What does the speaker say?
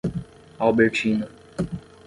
Albertina